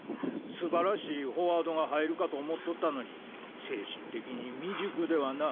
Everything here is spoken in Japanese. すばらしいフォワードが入るかと思っとったのに精神的に未熟ではな」